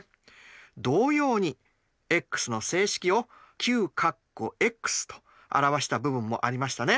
同様にｘの整式をＱとあらわした部分もありましたね。